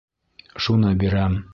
Шуны бирәм.